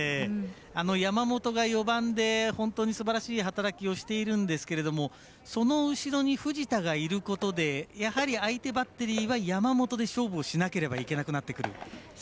山本が４番で本当にすばらしい働きをしているんですけれどもその後ろに藤田がいることでやはり相手バッテリーは山本で勝負をしなくてはいかなくなってくる。